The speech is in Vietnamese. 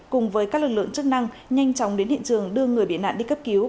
cùng với các lực lượng chức năng nhanh chóng đến hiện trường đưa người bị nạn đi cấp cứu